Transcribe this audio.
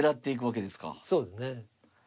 そうですね。